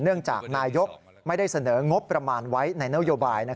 เนื่องจากนายกไม่ได้เสนองบประมาณไว้ในนโยบาย